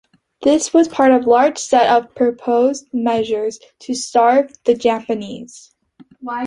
This was part of larger set of proposed measures to starve the Japanese.